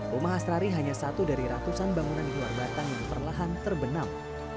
rumah asrari hanya satu dari ratusan bangunan di luar batang yang perlahan terbenam